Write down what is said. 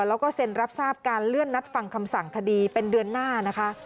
แล้วก็เซ็นรับทราบการเลื่อนนัดฟังคำสั่งคดีเป็นเดือนหน้านะคะ